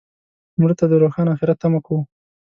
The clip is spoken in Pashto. مړه ته د روښانه آخرت تمه کوو